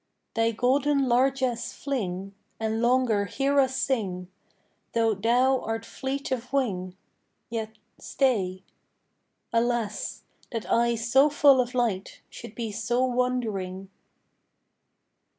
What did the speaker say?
Thy golden largess fling, And longer hear us sing; Though thou art fleet of wing, Yet stay. Alas! that eyes so full of light Should be so wandering!